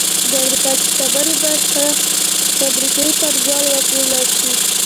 د امریکا د شتمنۍ برخه په امریکايي پانګوالو وپلورل شي